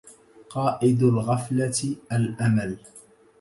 قائد الغفلة الأمل